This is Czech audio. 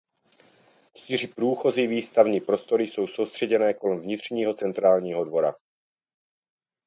Čtyři průchozí výstavní prostory jsou soustředěné kolem vnitřního centrálního dvora.